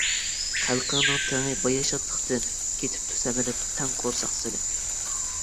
خەلقىڭنىڭ تېڭى باياشاتلىقتىن، كېتىپتۇ سەمرىپ تەڭ قورساق سېلىپ.